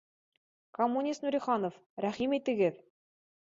— Коммунист Нуриханов, рәхим итегеҙ